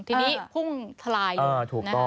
ทีนี้พุ่งทะลายอยู่